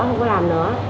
không có làm nữa